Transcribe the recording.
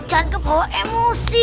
jangan kebawa emosi